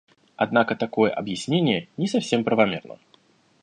Однако такое объяснение не совсем правомерно.